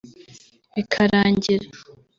bikarangira